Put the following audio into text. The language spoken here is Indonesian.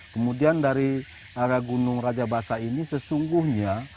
kemudian dari arah gunung rajabasa ini sesungguhnya